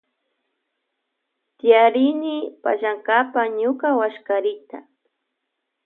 Tiyarini pallankapa ñuka wallkariyta.